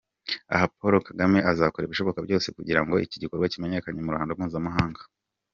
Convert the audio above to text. Aha Pawulo Kagame azakora ibishoboka byose kugira ngo iki gikorwa kimenyekane mu ruhando mpuzamahanga.